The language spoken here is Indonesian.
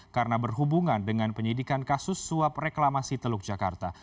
karena berhubungan dengan penyidikan kasus suap reklamasi teluk jakarta